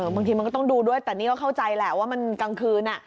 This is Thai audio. บางทีมันก็ต้องดูด้วยแต่นี่ก็เข้าใจแหละว่ามันกลางคืน